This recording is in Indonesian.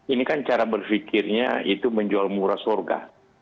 ini kan cara berpikirnya itu menjual murah surga